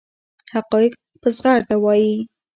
حقایق په زغرده وایي.